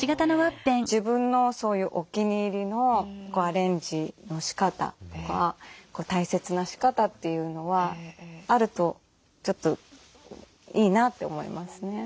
自分のそういうお気に入りのアレンジのしかたとか大切なしかたっていうのはあるとちょっといいなと思いますね。